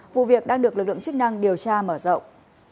vụ việc đang được lực lượng chức năng điều tra mở rộng